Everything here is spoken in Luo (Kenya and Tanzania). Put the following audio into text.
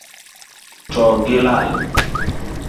To gi lal.